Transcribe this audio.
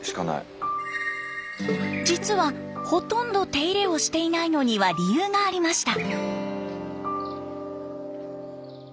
実はほとんど手入れをしていないのには理由がありました。